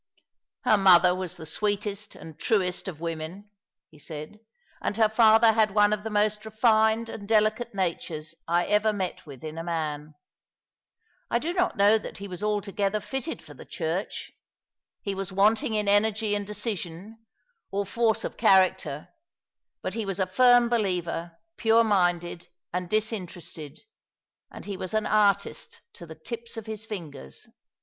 " Her mother was the sweetest and truest of women," he said, *' and her father had one of the most refined and delicate natures I ever mot with in a man. I do not know that he was altogether fitted for the Church. He was wanting in energy and decision, or force of character ; but he was a firm believer, pure minded and disinterested, and he was an artist to the tips of his fingers.